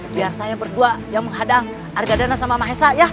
biar saya berdua yang menghadang argadana sama mahesa ya